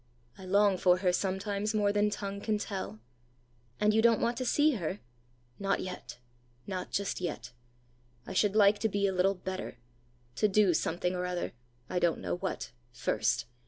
"I long for her sometimes more than tongue can tell." "And you don't want to see her?" "Not yet; not just yet. I should like to be a little better to do something or other I don't know what first.